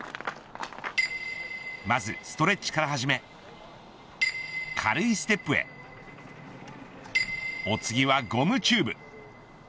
まず、ストレッチから始め軽いステップへお次はゴムチューブ。